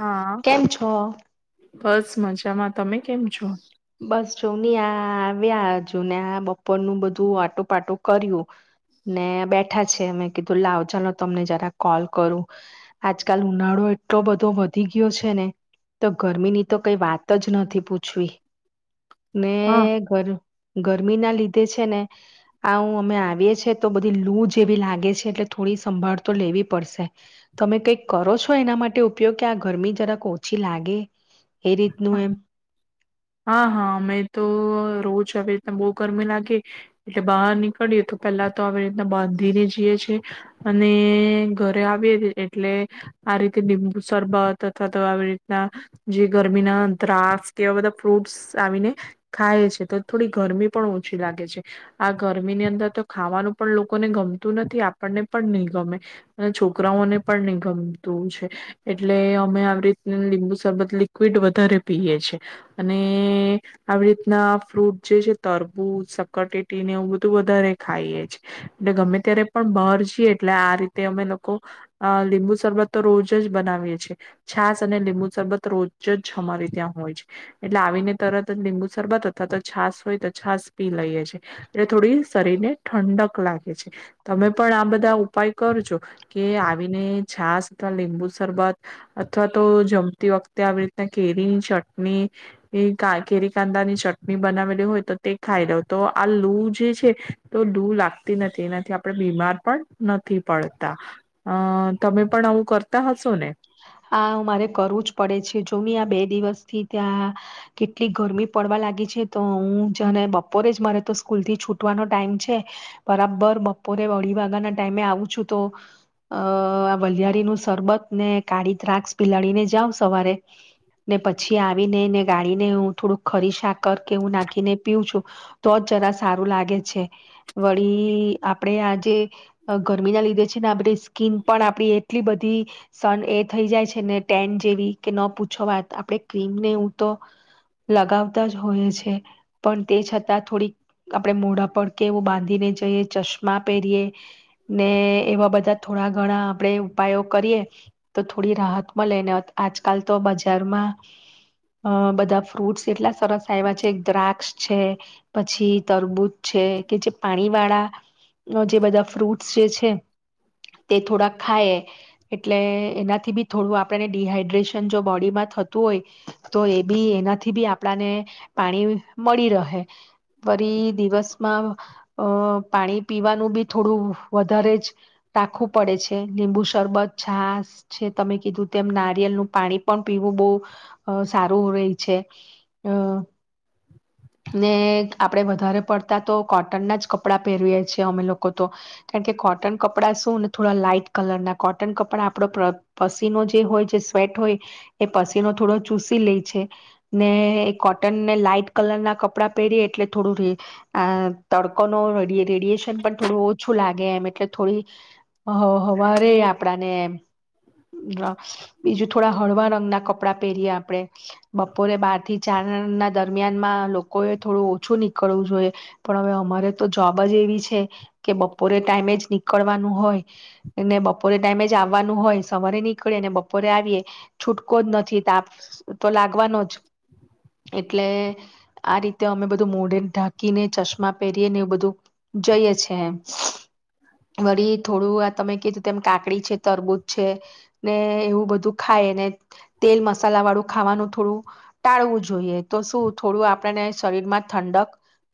હા કેમ છો? બસ મજામાં તમે કેમ છો? બસ જો હી આ આવ્યા હજુ ને આ બપોરનું બધું આટુંપાટું કર્યું, ને બેઠા છે મે કીધું લાવ ચાલો તમને જરા કોલ કરું, આજકાલ ઉનાળો એટલો બધો વધી ગયો છે ને, તો ગરમી ની તો કઈ વાત જ નથી પૂછવી. ને હા ઘર ગરમી ના લીધે છે ને આવું અમે આવીએ છેએ તો બધી લૂ જે એવી લાગે છે એટલે થોડી સંભાળ તો લેવી પડશે તમે કઈક કરો છો એના માટે ઉપયોગ કે આ ગરમી જરાક ઓછી લાગે એ રીતનું એમ હા હા અમે તો રોજ આવી રીતના બહુ ગરમી લાગી એટલે બહાર નીકળીએ તો પેલા તો આવી રીતના બાંધીને જઈએ છીએ અને ઘરે આવીએએ એટલે આ રીતે લીંબુ સરબત અથવા તો આવી રીતના જે ગરમીના દ્રાસ કેવા બધા ફ્રૂટ્સ આવીને ખાઈએ છે તો થોડી ગરમી પણ ઓછી લાગે છે આ ગરમી ની અંદર તો ખાવાનું પણ લોકોને ગમતું નથી આપણને પણ નહી ગમે અને છોકરાઓને પણ નહી ગમતું છે એટલે અમે આવી રીત લીંબુ શરબત લિક્વિડ વધારે પીએ છે અને આવી રીતના ફ્રૂટ જે છે તરબૂ સકટેટીને એવું બધું વધારે ખાઈએ છે એટલે ગમે ત્યારે પણ બહાર છીએ એટલે આ રીતે અમે લોકો લીંબુ શરબત તો રોજ જ બનાવીએ છેીએ છાસ અને લીંબુ શરબત રોજ જ અમારે ત્યાં હોય છે એટલે આવીને તરત જ લીંબુ શરબત અથવા તો છાસ હોય તો છાસ પી લઈએ છેએ એટલે થોડી શરીરને ઠંડક લાગે છે તમે પણ આ બધા ઉપાય કરજો કે આવીને છાસ અથવા લીંબુ શરબત અથવા તો જમતી વખતે આવી રીતના કેરીની ચટણી એ કા કેરી કાંદા ની ચટણી બનાવેલી હોય તો તે ખાઈ લઉ તો આ લૂ જે છે તો લૂ લાગતી નથી એનાથી આપણે બીમાર પણ નથી પડતા અ તમે પણ આવું કરતા હશ હા મારે કરવું જ પડે છે જોમની આ બે દિવસ થી ત્યાં કેટલી ગરમી પડવા લાગી છે તો હું જને બપોરે જ મારે તો સ્કૂલ થી છૂટવાનો ટાઈમ છે બરાબર બપોરે અઢી વાગ્યા ના ટાઈમે આવું છું તો અ વલિયારી નું સરબત ને કાળી દ્રાક્ષ પિલાડીને જાાવ સવારે ને પછી આવીનેને ગાળીને હું થોડુંક ખરી શાક કર કે હું નાખીને પીઉ છું તો જ જરા સારું લાગે છે વળી આપડે આજે ગરમી ના લીધે છે ને આપણે સ્કીન પણ આપડી એટલી બધી સન એ થઈ જાય છે ને ટેન જેવી કે ન પૂછો વાત આપણે ક્રીમને હું તો લગાવતા જ હોય છે પણ તે છતાં થોડીક આપણે મોઢા પડકે એવું બાંધીને જઈએ ચશ્મા પહેરીએ ને એવા બધા થોડા ઘણા આપણેે ઉપાયો કરીએ તો થોડી રાહત લઈને આજકાલ તો બજ બજારમાં અ બધા ફ્રૂટ્સ એટલા સરસ આવ્યા છે દ્રાક્ષ છે પછી તરબૂજ છે કે જે પાણી વાળા જે બધા ફ્રૂટ્સ જે છે તે થોડા ખાય એટલે એનાથી બી થોડું આપણેને ડીહાઈડ્રેશન જો બોડીમાં થતું હોય તો એ બી એનાથી બી આપણને પાણી મળી રહે ફરી દિવસમાં અ પાણી પીવાનું બી થોડું વધારે જ ટાખવું પડે છે લીંબુ શરબત છાસ તમે કીધું તેમ નારિયેલનું પાણી પણ પીવું બહુ સારું રહેય છે અ ને આપણેે વધારે પડતા તો કોટનના જ કપડાં પહેરીએ છેએ અમે લોકો તો કારણ કે કોટન કપડાં શું ને થોડા લાાઈટ કલરના કોટન કપડા આપણો પ જે હોય સ્વેટ હોય એ પસીનો થોડો ચૂસી લે છે ને એ કોટનને લાાઈટ કલર ના કપડાં પહેરીએ એટલે થોડું અ તડકો ન રેડિયેશન પણ થોડું ઓછું લાગે એમ એટલે થોડી હ હવારે આપણાનેમ હળવા રંગના કપડાં પહેરીએ આપણે બપોરે બાર થી ચાર ના દરમિયાનમાં લોકોએ થોડું ઓછું નીકળવું જોઈએ પણ હવે અમારે તો જોબ જ એવી છે કે બપોરે ટાઈમે જ નીકળવાનું હોય એટલે બપોરે ટાઈમે જ આવવાનું હોય સવારે નીકળે અને બપોરે આવીએ છૂટકો જ નથી તાપ તો લાગવાનો જ એટલે આ રીતે અમે બધું મોઢે ઢાંકીને ચશ્મા પહેરીએને એ બધું જઈએ છે એમ વળી થોડું આ તમે કીધું તેમમ કાકડી છે તરબૂત છે ને એવું બધું ખાય ને તેલ મસાલા વાળું ખાવાનું થોડું ટાળવું જોઈએ તો શું થોડું આપણને શરીરમાં ઠંડક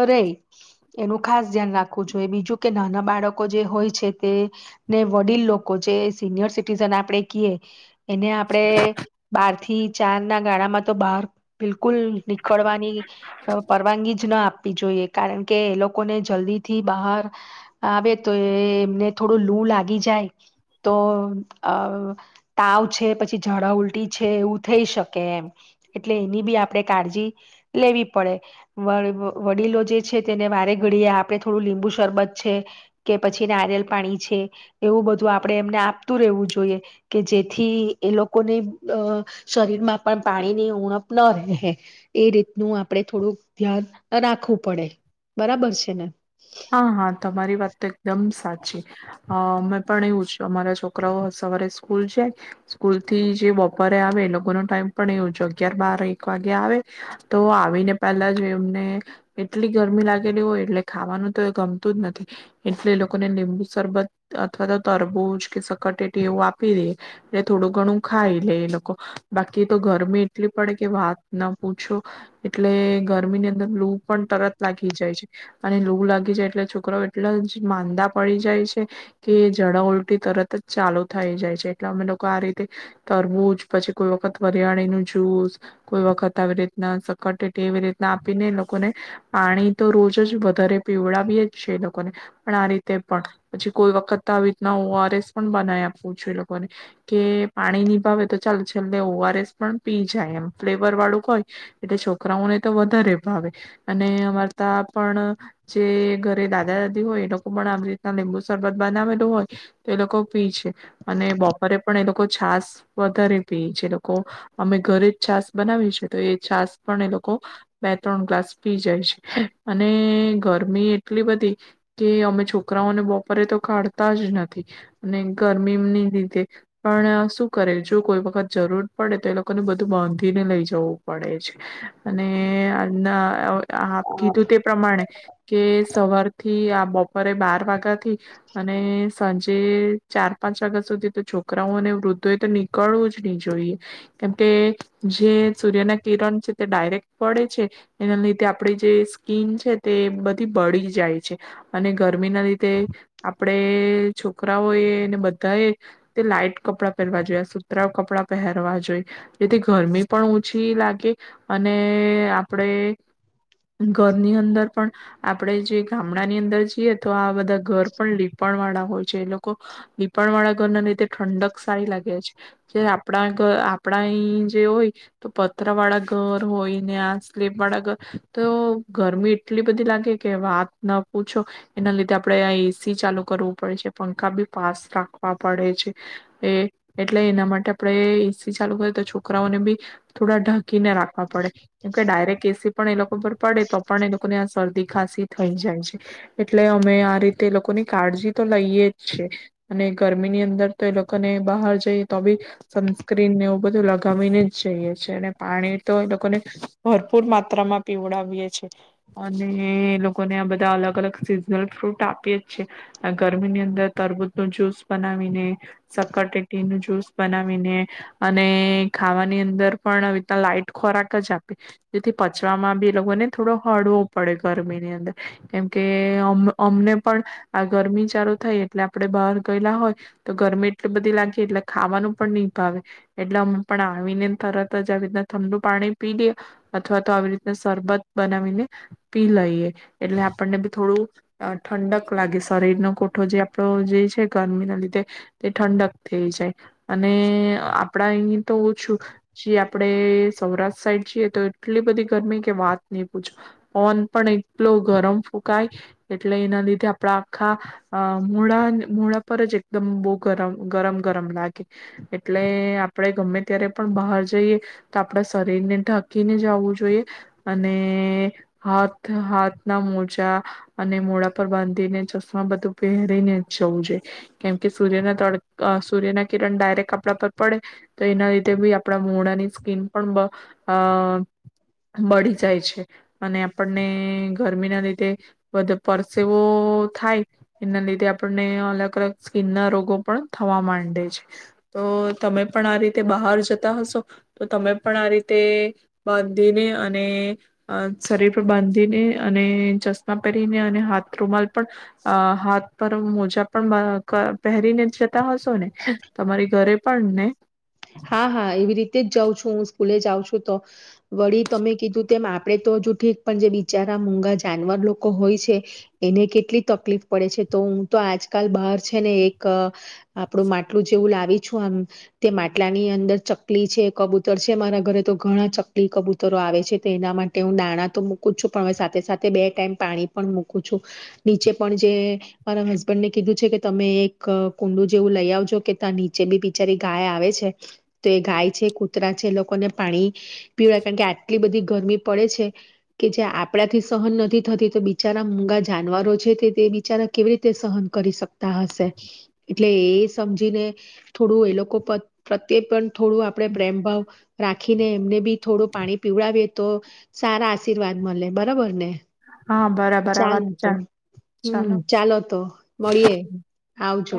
અ ર એનું ખાસ ધ્યાન રાખવું જોઈએ બીજું કે નાના બાળકો જે હોય છે તે ને વડીલ લોકો જે સિનિયર આપણે એને આપડે બાર થી ચાર ના ગાળામાં તો બહાર બિલકુલ નીકળવાની પરવાનગી જ ના આપવી જોઈએ કારણ કે એ લોકોને જલ્દી થી બહાર આવે તો એ એમને થોડું લૂ લાગી જાય તો અ તાવ છે પછી જડા ઉલટી છે એવું થઈ શકે એમ એટલે એની બી આપણે કાળજી લેવી પડે વ વડીલો જે છે તેને વારે ઘડીએ આપણે થોડું લીંબુ શરબત છે કે પછી નારિયલ પાણી છે એવું બધું આપણે એમને આપતું રહેવું જોઈએ જોઈએ કે જેથી એ લોકોને અ શરીર માં પણ પાણીની ઉણપ ન રહે એ રીતનું આપણે થોડુંક ધ્યાન રાખવું પડે બરાબર છે ને હા હા તમારી વાત તો એકદમ સાચી અ મેં પણ એવું છું અમારા છોકરાઓ સવારે સ્કૂલ જાય સ્કૂલ થી જે બપોરે આવે એ લોકો ન ટાઈમ પણ એવું અગિયાર બાર એક વાગે આવે તો આવીને પહેલા જ એમને એટલી ગરમી લાગેલી હોય એટલે ખાવાનું ગમતું જ નથી એટલે એ લોકોને લીંબુ સરરબત અથવા તો તરબૂજ કે સકટેટી એવું આપી દેએ એટલે થોડું ઘણું ખાઈ લે એ લોકો બાકી તો ગરમી એટલી પડે કે વાત ના પૂછો એટલે ગરમી ની અંદર લૂ પણ તરત લાગી જાય છે અને લૂ લાગી એટલે છોકરો એટલા જ માંદા પડી જાય છે કે જડા ઉલટી તરત જ ચાલુ થઈ જાય છે એટલે અમે લોકો આ રીતે તરબૂજ પછી કોઈ વખત વરિયાળી ન જુસ કોઈ વખત આવી રીતના સકરટી એવી રીતના આપીને એ લોકોને પાણી તો રોજ જ વધારે પીવડાવી જ છે એ લોકોને પણ આ રીતે પણ પછી કોઈ વખત તો આવી રીતના ઓઆર એસ પણ બનાવી આપવું છું એ લોકોને કે પાણી ની ભાવે તો ચાલ છેલ્લે ઓઆર એસ પણ પી જાય એમ ફ્લેવર વાળું હોય એટલે છોકરાઓને તો વધારે ભાવે અને અમારા તા પણ જે ઘરે દાદા દાદી હોય એ લોકો પણ આવી રીતના લીંબુ સરરબત બનાવેલું હોય તો એ લોકો પી છે. અને બપોરે પણ એ લોકો લોકો છાસ વધારે પી છે લોકો અમે ઘરે જ છાસ બનાવી છે તો એ છાસ પણ એ લોકો બે ત્રણ ગ્લાસ પી જાય છે અને ગરમી એટલી બધી કે અમે છોકરાઓને બપોરે તો કાઢતા જ નથી અને ગરમીની રીતેે પણ શું કરે જો કોઈ વખત જરૂર પડે તો એ લોકોને બધું બાંધીને લઈ જવું પડે છે અને કીધું તે પ્રમાણે. એ સવારથી થી આ બપોરે બાર વાગા થી અને સાંજે ચાર પાંચ વાગ્યા સુધી તો છોકરાઓ અને વૃદ્ધો એ તો નીકળવું જ નહીં જોઈએ, કેમકે જે સૂર્યના કિરણ છે તે ડાયરેક્ટ પડે છે, એના લીધે આપડી જે સ્કીન છે તે બ ધી બળી જાય છે, અને ગરમીના લીધે આપણેે છોકરાઓ એ ને બધાએ તે લાઈટ કપડાં પહેરવા જોયા, આ સુતરાઉં કપડાં પહેરવા જોઈ, જેથી ગરમી પણ ઓછી લાગે, અને આપણે ઘરની અંદર પણ આપડે જે ગામડા ની અંદર જિએ તો આ બધ ધા ઘર પણ લીપણ વાળા હોય છે. એ લોક કો લીપણ વાળા ઘરના ને તે ઠંડક સારી લાગે છે. જે આપણા ઘ આપણા અહિં જે હોય તો પથરા વાળા ઘર હોય, ને આ સ્લેપ વાળા ઘર તો ગરમી એટલી બધી લાગ ગે કે વાત ના પૂછો. એના લીધે આપડે આ એ સી ચાલુ કરવું પડે છે, પંખા બી ફાસ રાખવા પડે છે. એ એટલે એના માટે આપડે એસ સી ચાલુ કરી તો છોકરાઓને બી થોડા ઢક કીને રાખવા પડે, કેમ કે ડાયરેક્ટ એ સી પણ એ લોકો પર પડે તો પણ એ લોકો ને આ શરદી ખાસી થઈ જાય છે, એટલે અમે આ રીતે એ લોકોની કાળજી તો લઈએ જ છે. અને ગરમીની અંદર તો એ લોકોને બહાર જઈએ તો બી સનસ્ક્રીનને એવું બધું લગાવીને જ જઈએ છે, અને પાણી તો એ લોકોને ભરપૂર માત્રામાં પીવડાવીએ છીએ. અન ને એ લોકોને આ બધા અલગ-અલગ સિઝનલ ફ્રૂટ આપીએ જ છે. અને ગરમીની અંદર તરબૂચ નું જ્યુસ બનાવીને, સકરટેટી નું જ્યુસ બનાવીને, અને ખાવાની અંદર પણ ઈ તો લાાઈટ ખોરાક જ આપી, જેથી પચવામાં બી એ લોકોને થોડો હળવો પડે ગરમીની અંદર, કેમ કે અમ અમને પણ આ ગરમી ચાલુ થાય એટલે આપણે બહાર ગયેલા હોય, તો ગરમી એટલી બધી લાગી એટલે ખાવાનું પણ નહીં ભાવે, એટલે અમે પણ આવીને તરત જ આવી રીતના ઠંડુ પાણી પી લીએ, અથવા તો આવી રીતના સરબત બનાવીને પી લઈએ, એટલે આપણને બી થોડું અહ ઠંડક લાગે. શરીરનો કોઠો જે આપણો જે છે ગરમીના લીધે તે ઠંડક થઈ જાય. અને આપડા અહીં તો ઓછું, જે આપણે સૌરાષ્ટ્ર સાઈડ જીએ તો એટલી બધી ગરમી કે વાત નહીં પૂછો. પવન પણ એટલો ગરમ ફૂકાય, એટલે એના લીધે આપડા આખા મરાન મૂરા પર જ એકદમ બહુ ગરમ, ગરમ-ગરમ લાગે, એટલે આપણે ગમે ત્યારે પણ બહાર જઈએ તો આપણા શરીરને ઢાં કીને જવું જોઈએ. અને હાથ-હાથ ના મોજા અને મોડા પર બાંધીને, ચશ્મા બધું પહેરીને જ જવું જ જોઈ, કેમ કે સૂર્યના તડ અહ સૂર્યના કિરણ ડાયરેક્ટ આપણા પર પડે તો એના લીધે બી આપણા મોડાની સ્કીન પણ બ અહ બળી જાય છે. અને આપણને ગરમીના લીધે બધ પરસેવો થાય એના લીધે આપણને અલગ-અલગ સ્કીનના રોગો પણ થવા માંડે છે. તો તમે પણ આ રીતે બહાર જતા હશો તો તમે પણ આ રીતે બાંધીને, અને અહ શરીર પર બાંધીને, અને ચશ્મા પહેરીને, અને હાથ રૂમાલ પણ અહ હાથ પર મોજા પણ બા ક પહેરીને જ જતા હશો ને? તમારી ઘરે પણ ને? હા, હા એવી રીતે જ જઉં છું હું, હું સ્કૂલે જાઉં છું તો. વળી તમે કીધું તેમ આપડે તો હજુ ઠીક, પણ જે બિચારા મૂગા જાનવર લોકો હોય છે એને કેટલી તકલીફ પડે છે, તો હું તો આજકાલ બહાર છે ને એક આપણું માટલું જેવું લાવી છું આમ, તે મા ટલાની અંદર ચકલી છે, કબૂતર છે, મારા ઘરે તો ઘણા ચકલી કબૂતરો આવે છે તો એના માટે હું દાણાં તો મૂકું જ છું, પણ હવે સાથે-સાથે બે ટાઈમ પાણી પણ મૂકું છું. નીચે પણ જે મારા હસબન્ડને કીધું છે કે તમે એક કુંડું જેવું લઈ આવજો કે ત્યાં નીચે બી બિચારી ગાય આવે છે એ તો એ ગાય છે, કૂતરા છે, એ લોકોને પાણી પીવા કારણ કે આટલી બધી ગરમી પડે છે, કે જે આપડાથી સહન નથી થતી તો બિચારા મૂગા જાનવરો છે તે તે બિચારા કેવી રીતે સહન કરી શકતા હશે, એટલે એ સમજીને થોડું એ લોકો પર પ્રત્યે પણ થોડું આપડે પ્રેમ ભાવ રાખીને એમને બી થોડું પાણી પીવડાવીએ તો સારા આશીર્વાદ મલે. બરબર ને? હા બરાબર આ વાત ચાલો તો. ચા હમ્મ. ચાલો તો, મળીએે, આવજો.